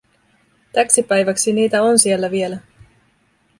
Täksi päiväksi niitä on siellä vielä.